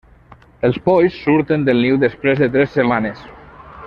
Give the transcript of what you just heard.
Els polls surten del niu després de tres setmanes.